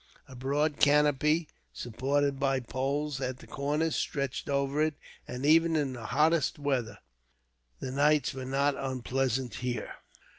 A broad canopy, supported by poles at the corner, stretched over it, and even in the hottest weather the nights were not unpleasant here.